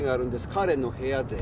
彼の部屋で。